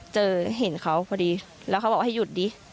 เห็นเขาพอดีแล้วเขาบอกให้หยุดดิ